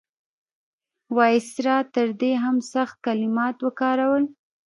وایسرا تر دې هم سخت کلمات وکارول.